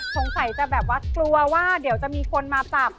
สงสัยจะแบบว่ากลัวว่าเดี๋ยวจะมีคนมาจับ